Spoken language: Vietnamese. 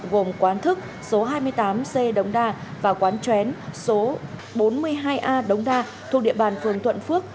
gồm quán thức số hai mươi tám c đống đa và quán chén số bốn mươi hai a đống đa thuộc địa bàn phường thuận phước